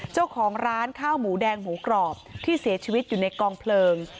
เจ้าของร้านข้าวหมูแดงหมูกรอบที่เสียชีวิตอยู่ในกองเพลิง